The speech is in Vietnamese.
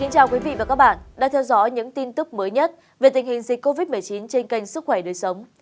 chào các bạn đã theo dõi những tin tức mới nhất về tình hình dịch covid một mươi chín trên kênh sức khỏe đời sống